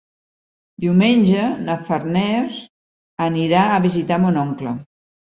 Diumenge na Farners anirà a visitar mon oncle.